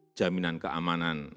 masalah jaminan keamanan